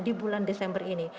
di bulan desember ini